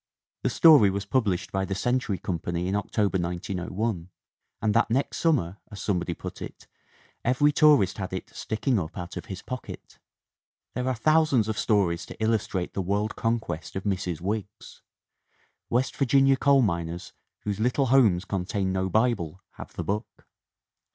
"The story was published by the Century Company in October, 1901, and that next summer, as some body put it, every tourist had it, 'sticking up out of his pocket/ " There are thousands of stories to illustrate the world conquest of Mrs. Wiggs. West Virginia coal miners whose little homes contain no Bible have the book.